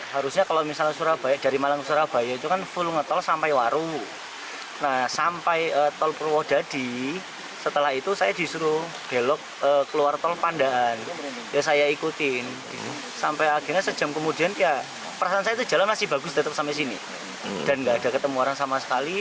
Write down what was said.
perasaan saya itu jalan masih bagus tetap sampai sini dan nggak ada ketemu orang sama sekali